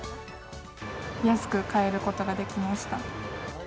安く買えることができました。